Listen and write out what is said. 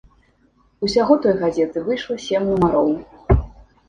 Усяго той газеты выйшла сем нумароў.